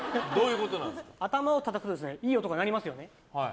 頭をたたくといい音が鳴りますよね。